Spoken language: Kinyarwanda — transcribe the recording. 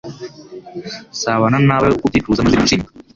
sabana nabawe uko ubyifuza maze mwishime